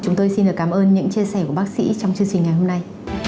chúng tôi xin được cảm ơn những chia sẻ của bác sĩ trong chương trình ngày hôm nay